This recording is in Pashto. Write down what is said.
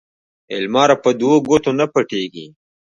لمر په دوو ګوتو نه پټېږي